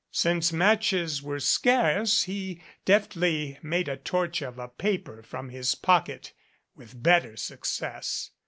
Since matches were scarce, he deftly made a torch of a paper from his pocket with better success.